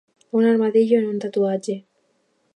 Un armadillo en un tatuatge.